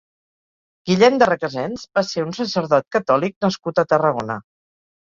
Guillem de Requesens va ser un sacerdot catòlic nascut a Tarragona.